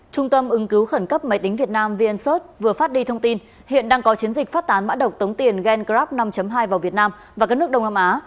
trung tâm ứng cứu khẩn cấp máy tính việt nam vncert vừa phát đi thông tin hiện đang có chiến dịch phát tán mã độc tống tiền gen grab năm hai vào việt nam và các nước đông nam á